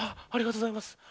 ありがとうございます。